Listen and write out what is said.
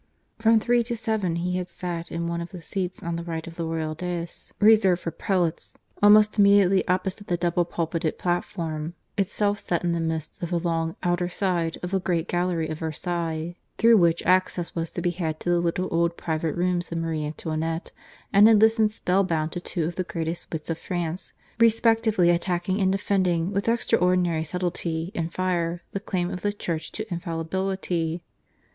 From three to seven he had sat in one of the seats on the right of the royal dais, reserved for prelates, almost immediately opposite the double pulpited platform, itself set in the midst of the long outer side of the great gallery of Versailles, through which access was to be had to the little old private rooms of Marie Antoinette, and had listened spell bound to two of the greatest wits of France, respectively attacking and defending, with extraordinary subtlety and fire, the claim of the Church to Infallibility.